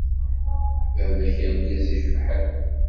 Baba-k d argaz i icebḥen.